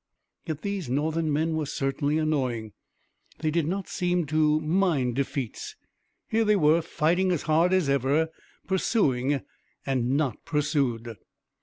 Yet these Northern men were certainly annoying. They did not seem to mind defeats. Here they were fighting as hard as ever, pursuing and not pursued.